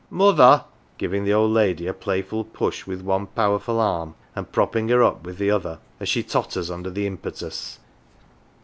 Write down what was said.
Mother !" giving the old lady a playful push with one powerful arm and prop ping her up with the other, as she totters under the impetus.